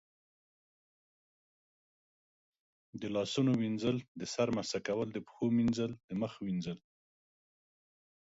د لاسونو وینځل، د سر مسح کول، د پښو مینځل، د مخ وینځل